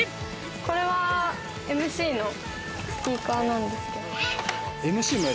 これはＭＣのスピーカーなんですけれども。